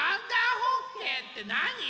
ホッケーってなに？